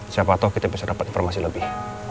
siapa tau kita bisa dapet informasi lebih